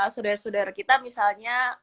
sudara sudara kita misalnya